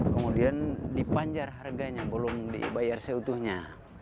kemudian dipanjar harganya belum dibayar seutuhnya